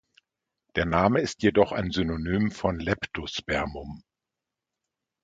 Der Name ist jedoch ein Synonym von Leptospermum.